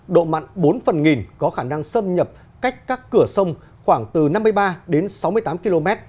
độ mặn bốn phần nghìn có khả năng xâm nhập cách các cửa sông khoảng từ năm mươi ba đến sáu mươi tám km